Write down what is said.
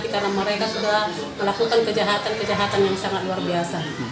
karena mereka sudah melakukan kejahatan kejahatan yang sangat luar biasa